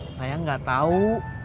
saya gak tau